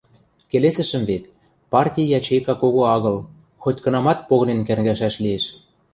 Келесӹшӹм вет: парти ячейка кого агыл, хоть-кынамат погынен кӓнгӓшӓш лиэш.